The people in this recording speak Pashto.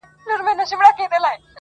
ماسومان ترې تېرېږي وېرېدلي ډېر